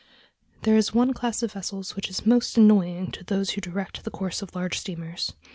There is one class of vessels which is most annoying to those who direct the course of large steamers.